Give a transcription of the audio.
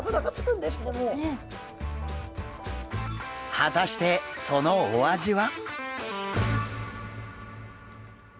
果たしてそのお味は？